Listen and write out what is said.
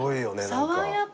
爽やか！